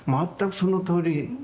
全くそのとおり。